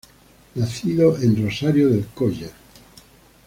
Nacido en Rosario del Colla.